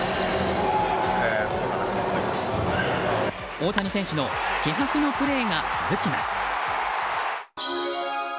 大谷選手の気迫のプレーが続きます。